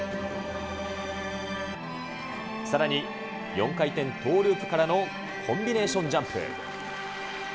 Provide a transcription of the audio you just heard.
さらに４回転トーループからのコンビネーションジャンプ。